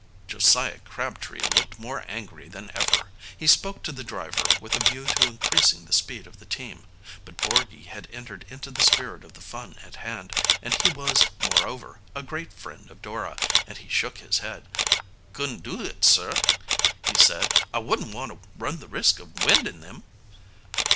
Josiah Crabtree looked more angry than ever. He spoke to the driver, with a view to increasing the speed of the team, but Borgy had entered into the spirit of the fun at hand, and he was, moreover, a great friend of Dora, and he shook his head. "Couldn't do it sir," he said. "I wouldn't want to run the risk of winding them."